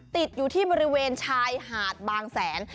ติดอยู่ที่บริเวณชายหาดบางแสน